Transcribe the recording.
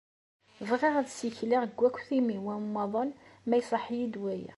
Bɣiɣ ad ssikleɣ deg wakk timiwa n umaḍal, ma iṣaḥ-iyi-d waya.